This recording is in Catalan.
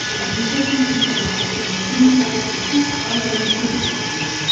Existeixen centenars de formacions d'aquest tipus a la regió d'Ístria.